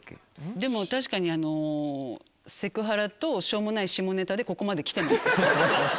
でも確かにあのセクハラとしょうもない下ネタでここまで来てます。